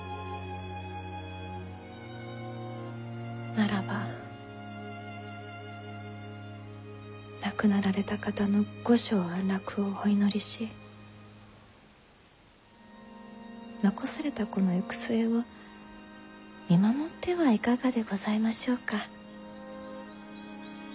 ならば亡くなられた方の後生安楽をお祈りし残された子の行く末を見守ってはいかがでございましょうか？